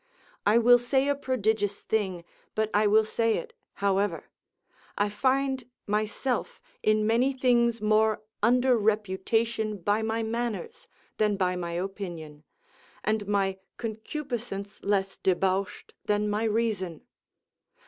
I will say a prodigious thing, but I will say it, however: I find myself in many things more under reputation by my manners than by my opinion, and my concupiscence less debauched than my reason.